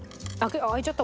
あっ開いちゃった。